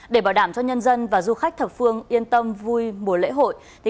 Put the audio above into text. để bảo đảm cho nhân dân và du khách thập phương yên tâm vui mùa lễ hội